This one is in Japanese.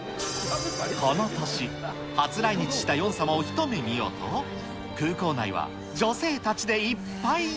この年、初来日したヨン様を一目見ようと、空港内は女性たちでいっぱいに。